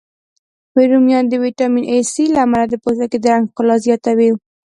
رومیان د ویټامین C، A، له امله د پوستکي د رنګ ښکلا زیاتوی